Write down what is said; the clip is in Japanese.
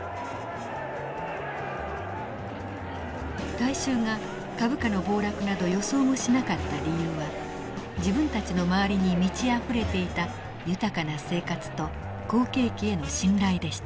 大衆が株価の暴落など予想もしなかった理由は自分たちの周りに満ちあふれていた豊かな生活と好景気への信頼でした。